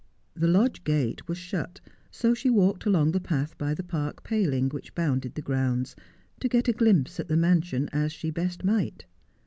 The lodge gate was shut, so she walked along the path by the park paling which bounded the grounds, to get a glimpse at the mansion as she best might.